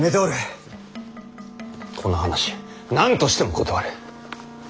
この話何としても断れ！